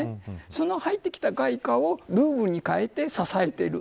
その入ってきた外貨をルーブルに替えて支えている。